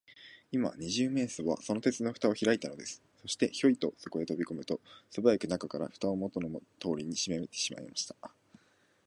今、二十面相は、その鉄のふたをひらいたのです。そして、ヒョイとそこへとびこむと、すばやく中から、ふたをもとのとおりにしめてしまいました。